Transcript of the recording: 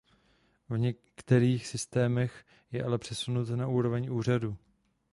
V některých systémech je ale přesunut na úroveň řádu.